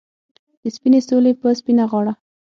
د سپینې سولې په سپینه غاړه